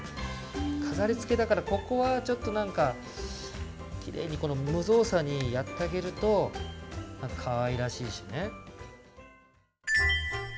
飾りつけだから、ここはちょっと無造作にやってあげるとかわいらしいしね。